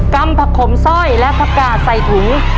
ำผักขมสร้อยและผักกาดใส่ถุง